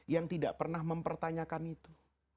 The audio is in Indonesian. yang tidak pernah mempertanyakan itu